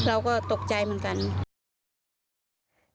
เราก็ตกใจเหมือนกัน